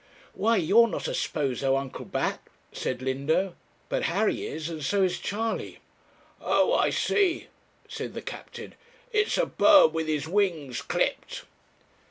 'Why, you're not a sposo, Uncle Bat,' said Linda; 'but Harry is, and so is Charley.' 'Oh, I see,' said the captain; 'it's a bird with his wings clipped.'